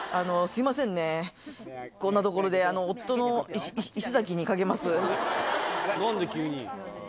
すみませんね、こんな所で、夫の石崎にかけます。